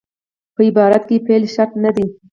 په عبارت کښي فعل شرط نه دئ.